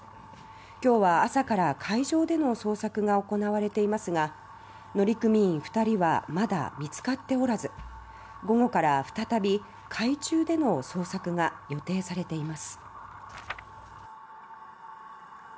今日は朝から海上での捜索が行われていますが乗組員２人はまだ見つかっておらず午後から再び海中での捜索が予定されています。